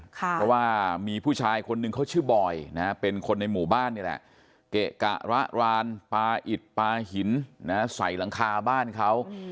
เกะกะระรานปลาอิดปลาหินใส่หลังคาบ้านเขา